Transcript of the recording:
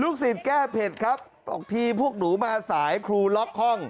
สิทธิ์แก้เผ็ดครับออกทีพวกหนูมาสายครูล็อกห้อง